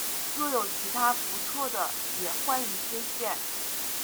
若有其他不错的也欢迎推荐